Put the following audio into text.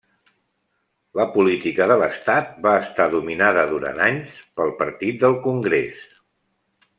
La política de l'estat va estar dominada durant anys pel Partit del Congrés.